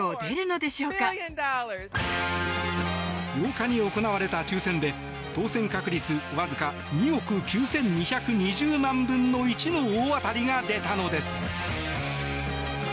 ８日に行われた抽選で当選確率わずか２億９２２万分の１の大当たりが出たのです。